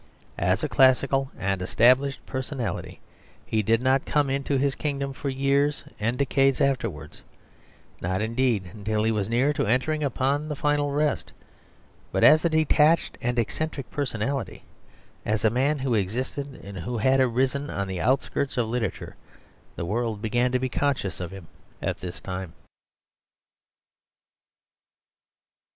As a classical and established personality he did not come into his kingdom for years and decades afterwards; not, indeed, until he was near to entering upon the final rest. But as a detached and eccentric personality, as a man who existed and who had arisen on the outskirts of literature, the world began to be conscious of him at this time.